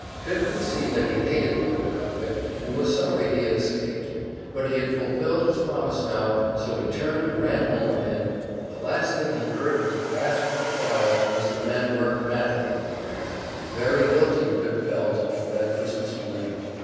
Pip could see that he hated the other convict, and was sorry he had escaped; but he had fulfilled his promise now, so he turned and ran home again, and the last thing he heard was the rasp of the file as the man worked madly at the iron. Very guilty Pip felt all that Christmas morning.